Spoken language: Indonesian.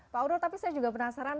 pak urul tapi saya juga penasaran